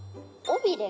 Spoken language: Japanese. おびれ。